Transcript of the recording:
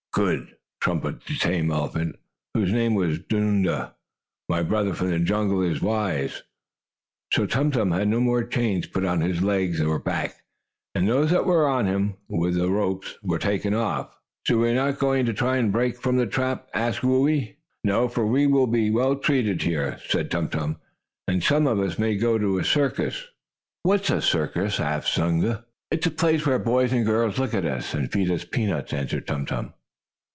"Good!" trumpeted the tame elephant, whose name was Dunda. "My brother from the jungle is wise." So Tum Tum had no more chains put on his legs or back, and those that were on him, with the ropes, were taken off. "So we are not to try to break from the trap?" asked Whoo ee. "No, for we will be well treated here," said Tum Tum, "and some of us may go to a circus." "What is a circus?" asked Zunga. "It is a place where boys and girls look at us, and feed us peanuts," answered Tum Tum.